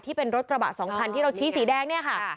ที่เป็นรถกระบะสองคันที่เราชี้สีแดงเนี่ยค่ะ